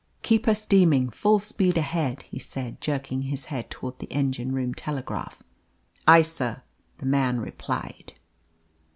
"Keep her steaming full speed ahead," he said, jerking his head towards the engine room telegraph. "Ay, sir," the man replied.